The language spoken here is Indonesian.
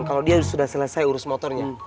kalau dia sudah selesai urus motornya